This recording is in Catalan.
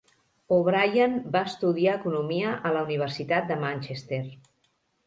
O'Brien va estudiar economia a la Universitat de Manchester.